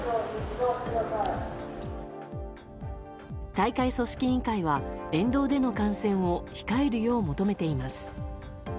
大会組織委員会は沿道での観戦を控えるよう求めています。